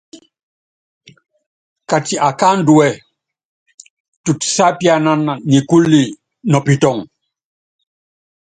Kati akáandúɛ, tutisiápíana nikúlu nɔ pitɔŋ.